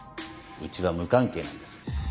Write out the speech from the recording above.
うちは無関係なんです。